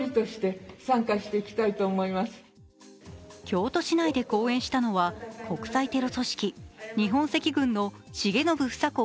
京都市内で公演したのは、国際テロ組織、日本赤軍の重信房子